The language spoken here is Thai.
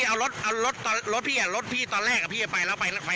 แล้วพี่เอารถพี่อ่ะรถพี่ตอนแรกพี่ไปแล้วไปไหน